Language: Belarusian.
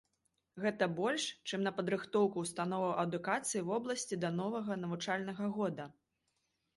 Гэта больш, чым на падрыхтоўку ўстановаў адукацыі вобласці да новага навучальнага года.